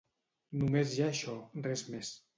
Només hi ha això, res més.